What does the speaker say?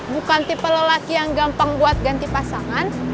bukan tipe lelaki yang gampang buat ganti pasangan